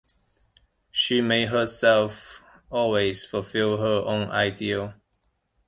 She made herself always fulfill her own ideal.